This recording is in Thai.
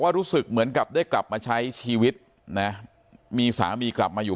รู้สึกเหมือนกับได้กลับมาใช้ชีวิตนะมีสามีกลับมาอยู่